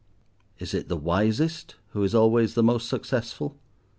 Is it the wisest who is always the most successful?